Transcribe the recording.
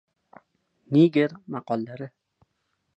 Niger maqollari